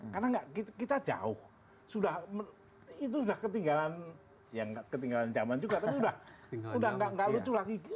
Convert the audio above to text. karena kita jauh itu sudah ketinggalan zaman juga tapi sudah nggak lucu lagi